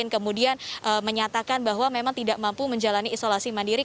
kemudian menyatakan bahwa memang tidak mampu menjalani isolasi mandiri